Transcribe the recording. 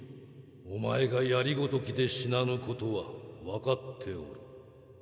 お前が槍ごときで死なぬことはわかっておる。